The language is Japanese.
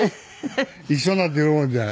一緒になって喜んじゃう。